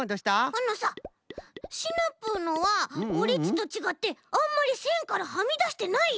あのさシナプーのはオレっちとちがってあんまりせんからはみだしてないよ。